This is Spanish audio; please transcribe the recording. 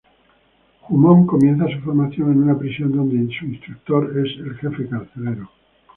Jumong comienza su formación en una prisión, donde su instructor es el jefe carcelero.